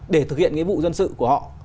để thực hiện nghĩa vụ dân sự của họ